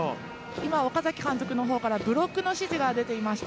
今、岡崎監督の方からブロックの指示が出ていました。